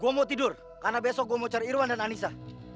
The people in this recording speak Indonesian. gue mau tidur karena besok gue mau cari irwan dan anissa